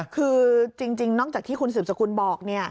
คือจริงนอกจากที่คุณสืบสกุลบอก